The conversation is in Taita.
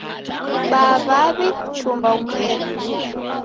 Baa w'awi kuchumba umweri.